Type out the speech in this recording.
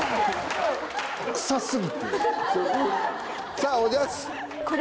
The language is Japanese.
さぁおじゃす。